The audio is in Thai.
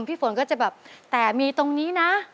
พี่ฝนก็จะแบบแต่มีตรงนี้นะ